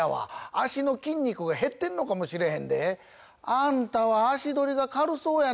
脚の筋肉が減ってんのかもしれへんであんたは脚どりが軽そうやな？